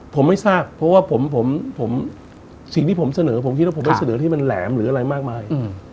ผิดล่ะผมสิ่งที่ผมเสนอผมติดละผมสนองที่ละแหมมหรืออะไรมากมาย